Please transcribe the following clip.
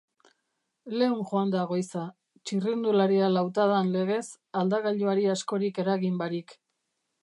Leun joan da goiza, txirrindularia lautadan legez, aldagailuari askorik eragin barik.